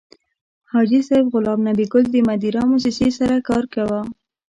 حاجي صیب غلام نبي ګل د مدیرا موسسې سره کار کاوه.